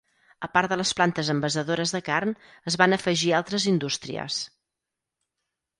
A part de les plantes envasadores de carn, es van afegir altres indústries.